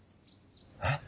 えっ？